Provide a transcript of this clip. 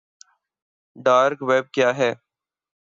dark web کیا ہے